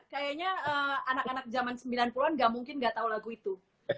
kayaknya anak anak zaman sembilan puluh an gak mungkin gak tahu lagu itu